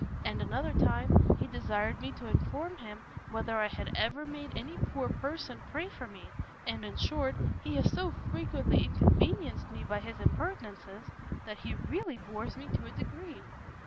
and another time, he desired me to inform him whether I had ever made any poor person pray for me! and, in short, he has so frequently inconvenienced me by his impertinences, that he really bores me to a degree."